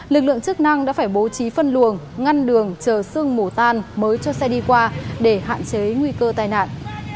lực lượng chức năng đã phải bố trí phân luồng ngăn đường chờ sương mù tan mới cho xe đi qua để hạn chế nguy cơ tai nạn